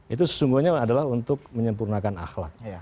itu sesungguhnya adalah untuk menyempurnakan akhlak